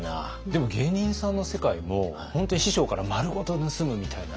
でも芸人さんの世界も本当に師匠からまるごと盗むみたいな。